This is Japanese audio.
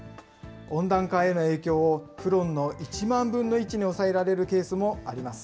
温暖化への影響を、フロンの１万分の１に抑えられるケースもあります。